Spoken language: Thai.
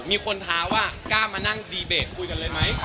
มีคนท้าว่ากล้ามานั่งดีเบตคุยกันเลยไหม